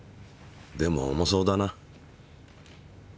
でも重そうだな。